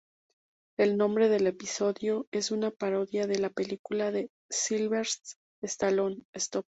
El nombre del episodio es una parodia de la película de Sylvester Stallone "Stop!